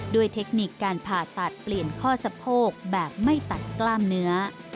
เทคนิคการผ่าตัดเปลี่ยนข้อสะโพกแบบไม่ตัดกล้ามเนื้อ